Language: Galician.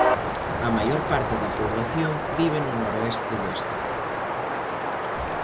A maior parte da poboación vive no noroeste do estado.